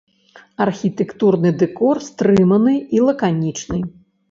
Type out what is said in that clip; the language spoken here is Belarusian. Архітэктурны дэкор стрыманы і лаканічны.